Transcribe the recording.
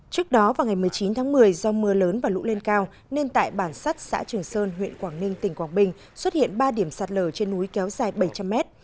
trước đó vào ngày một mươi chín tháng một mươi do mưa lớn và lũ lên cao nên tại bản sắt xã trường sơn huyện quảng ninh tỉnh quảng bình xuất hiện ba điểm sạt lở trên núi kéo dài bảy trăm linh mét